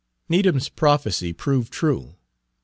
Needham's prophecy proved true.